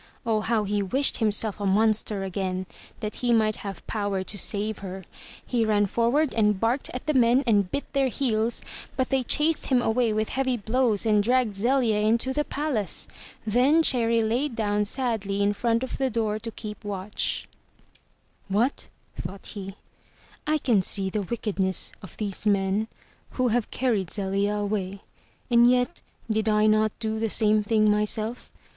Oh how he wished himself a monster again that he might have power to save her. He ran forward and barked at the men and bit their heels, but they chased him away with heavy blows and dragged Zelia into the palace. Then Cherry lay down sadly in front of the door to keep watch. 334 THROUGH FAIRY HALLS *'Whatr' thought he, "I can see the wickedness of these men who have carried Zelia away. And yet did I not do the same thing myself?